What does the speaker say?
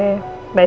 sampai jumpa lagi